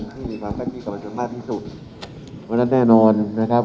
ที่มีความแพ้ดีกับประชุมมากที่สุดเพราะฉะนั้นแน่นอนนะครับ